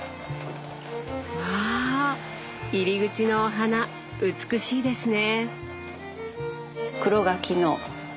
わ入り口のお花美しいですね。